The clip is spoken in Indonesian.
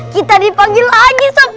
kita dipanggil haji sob